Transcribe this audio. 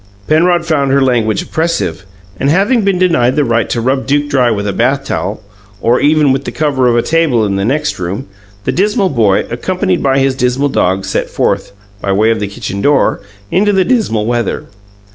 Penrod found her language oppressive, and, having been denied the right to rub Duke dry with a bath towel or even with the cover of a table in the next room the dismal boy, accompanied by his dismal dog, set forth, by way of the kitchen door, into the dismal weather.